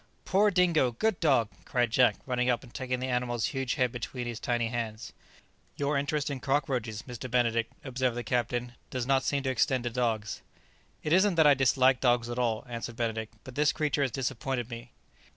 "Poor Dingo! good dog!" cried Jack, running up and taking the animal's huge head between his tiny hands. "Your interest in cockroaches, Mr. Benedict," observed the captain, "does not seem to extend to dogs." "It isn't that I dislike dogs at all," answered Benedict; "but this creature has disappointed me."